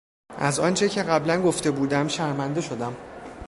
از آنچه که قبلا گفته بودم شرمنده شدم.